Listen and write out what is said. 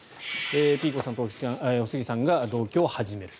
ピーコさんとおすぎさんが同居を始める。